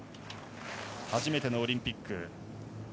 初めてのオリンピック。